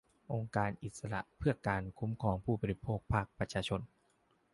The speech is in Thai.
องค์การอิสระเพื่อการคุ้มครองผู้บริโภคภาคประชาชน